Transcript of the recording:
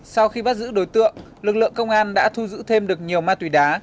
sau khi bắt giữ đối tượng lực lượng công an đã thu giữ thêm được nhiều ma túy đá